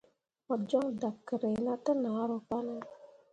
Mo jon dakerre na te nahro kane ?